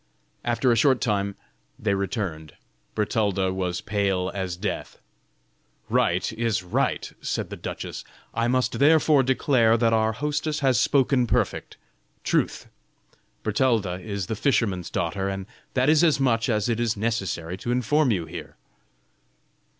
After a short time they returned; Bertalda was pale as death. "Right is right." said the duchess; "I must therefore declare that our hostess has spoken perfect, truth. Bertalda is the fisherman's daughter, and that is as much as it is necessary to inform you here."